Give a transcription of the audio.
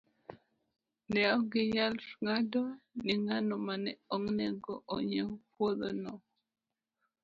Ne ok ginyal ng'ado ni ng'ano ma ne onego ong'iew puodhono.